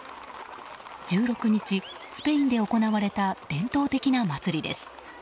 １６日、スペインで行われた伝統的な祭りです。